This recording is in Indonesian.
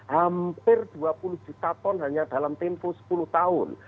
hampir dua puluh juta ton hanya dalam tempo sepuluh tahun